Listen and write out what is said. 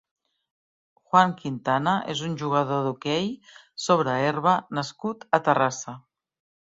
Juan Quintana és un jugador d'hoquei sobre herba nascut a Terrassa.